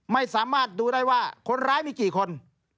ไม่สามารถดูได้ว่าคนร้ายมีกี่คน